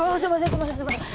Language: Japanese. すいませんすいません。